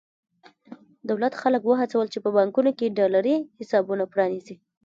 دولت خلک وهڅول چې په بانکونو کې ډالري حسابونه پرانېزي.